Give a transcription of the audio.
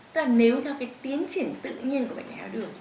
tức là nếu theo cái tiến triển tự nhiên của bệnh nhân đai tháo đường